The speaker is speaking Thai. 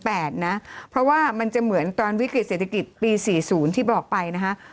เพราะว่ามันจะเหมือนตอนวิกฤติเศรษฐกิจปี๔๐ที่บอกไปนะคะ